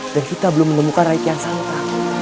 dan kita belum menemukan raikian santa